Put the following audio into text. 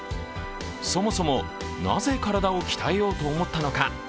そもそも、なぜ体を鍛えようと思ったのか